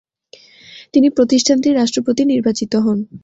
তিনি প্রতিষ্ঠানটির রাষ্ট্রপতি নির্বাচিত হন।